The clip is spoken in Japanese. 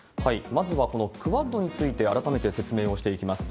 まずはこのクアッドについて、改めて説明をしていきます。